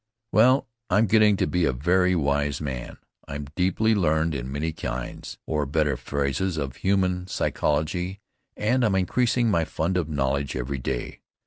Well, I'm getting to be a very wise man. I'm deeply learned in many kinds, or, better, phases, of human psychology and I'm increasing my fund of knowledge every day.